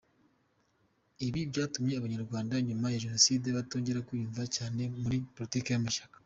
Ibi byatumye Abanyarwanda nyuma ya Jenoside batongera kwiyumva cyane muri Politiki y’amashyaka.